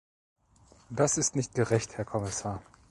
Das ist nicht gerecht, Herr Kommissar.